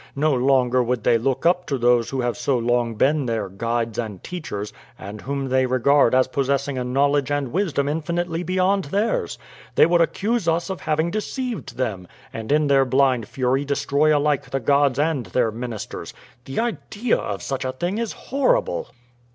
No longer would they look up to those who have so long been their guides and teachers, and whom they regard as possessing a knowledge and wisdom infinitely beyond theirs. They would accuse us of having deceived them, and in their blind fury destroy alike the gods and their ministers. The idea of such a thing is horrible."